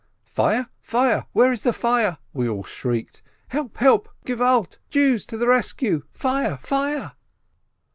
"Fire? fire? Where is the fire?" we all shrieked. "Help ! help ! Gewalt, Jews, to the rescue, fire, fire